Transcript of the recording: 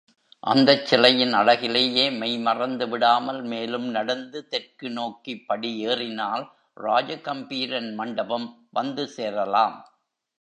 அந்தச் சிலையின் அழகிலேயே மெய்மறந்து விடாமல் மேலும் நடந்து தெற்கு நோக்கிப் படி ஏறினால் ராஜகம்பீரன் மண்டபம் வந்துசேரலாம்.